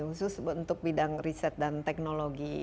khusus untuk bidang riset dan teknologi